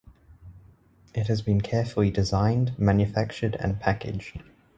It has been carefully designed, manufactured and packaged.